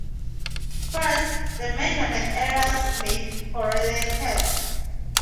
First, the "measurement errors" may be correlated.